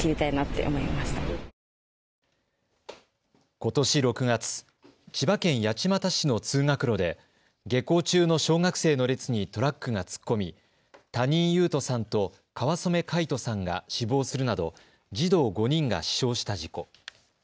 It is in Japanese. ことし６月、千葉県八街市の通学路で下校中の小学生の列にトラックが突っ込み、谷井勇斗さんと川染凱仁さんが死亡するなど児童５人が死傷した事故。